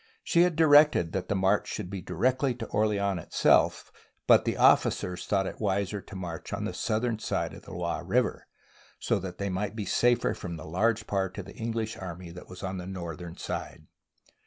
She had di rected that the march should be directly to Orleans itself, but the officers thought it wiser to march on the southern side of the Loire River, so that they might be safer from the large part of the English army that was on the northern side.